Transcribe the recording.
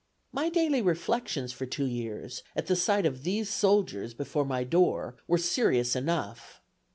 "My daily reflections for two years, at the sight of these soldiers before my door, were serious enough.